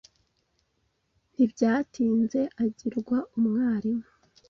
Ntibyatinze agirwa umwarimu.